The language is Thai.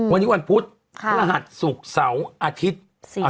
วันนี้วันพุธพระหัสศุกร์เสาร์อาทิตย์